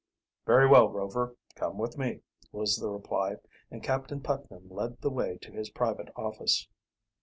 "Very well, Rover; come with me," was the reply, and Captain Putnam led the way to his private office.